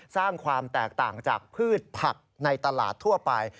สร้างความแตกต่างจากพืชผักในตลาดทั่วไป